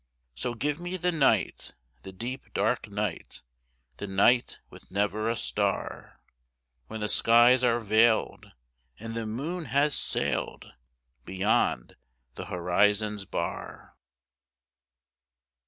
So give me the night, the deep, dark night, The night with never a star, When the skies are veiled and the moon has sailed Beyond the horizon's bar.